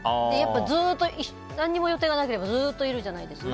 ずっと何も予定がなければずっといるじゃないですか。